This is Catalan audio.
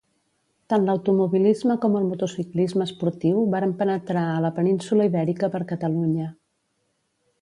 Tant l'automobilisme com el motociclisme esportiu varen penetrar a la península Ibèrica per Catalunya.